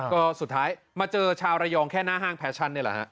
ก็สุดท้ายมาเจอชาวระยองแค่หน้าห้างแฟชั่นนี่แหละฮะ